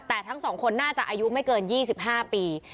แต่ทั้ง๒คนน่าจะอายุไม่เกิน๒๕ปี